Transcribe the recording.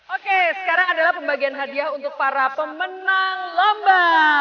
oke sekarang adalah pembagian hadiah untuk para pemenang lomba